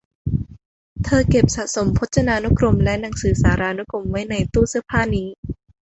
เธอเก็บสะสมพจนานุกรมและหนังสือสารานุกรมไว้ในตู้เสื้อผ้านี้